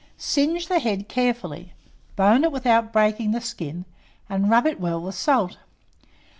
Singe the head carefully, bone it without breaking the skin, and rub it well with salt.